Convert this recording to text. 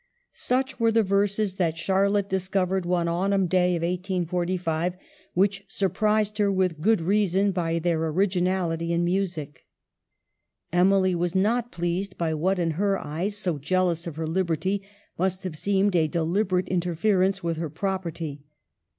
Such were the verses that Charlotte dis covered one autumn day of 1845, which sur prised her, with good reason, by their originality and music. Emily was not pleased by what in her eyes, so jealous of her liberty, must have seemed a deliberate interference with her prop erty.